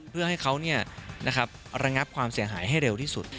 เพื่อให้เขาระงับความเสียหายให้เร็วที่สุด